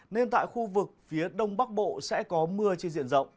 nên tại khu vực phía đông bắc bộ sẽ có mưa trên diện rộng